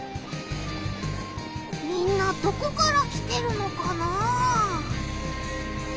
みんなどこから来てるのかな？